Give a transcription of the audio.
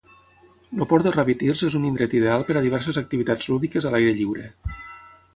El port de Rabbit Ears és un indret ideal per a diverses activitats lúdiques a l'aire lliure.